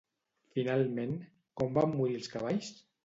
Finalment, com van morir els cavalls?